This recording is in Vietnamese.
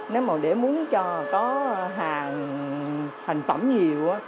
nếu mà để muốn cho có hàng thành phẩm nhiều